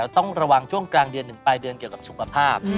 ต้องระวังช่วงกลางเดือนถึงปลายเดือนเกี่ยวกับสุขภาพ